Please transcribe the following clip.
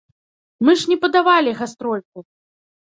Мы ж не падавалі гастрольку.